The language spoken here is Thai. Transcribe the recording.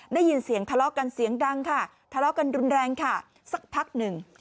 ได้ยินเสียงทะเลาะกันเสียงดังค่ะทะเลาะกันรุนแรงค่ะสักพักหนึ่ง